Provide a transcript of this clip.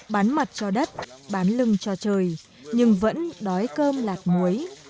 bán mặt cho đất bán lưng cho trời nhưng vẫn đói cơm lạc muối